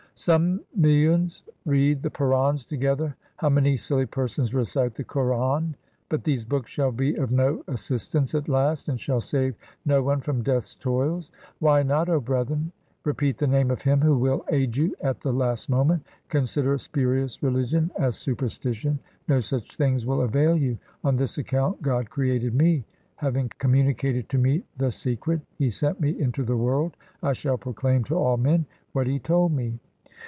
Some millions read the Purans together ; How many silly persons recite the Quran ! But these books shall be of no assistance at last, And shall save no one from Death's toils. Why not, O brethren, repeat the name of Him Who will aid you at the last moment ? Consider spurious religion as superstition. No such things will avail you. On this account God created me ; Having communicated to me the secret, 2 He sent me into the world. I shall proclaim to all men what He told me.